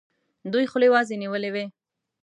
دوی خولې وازي نیولي وي.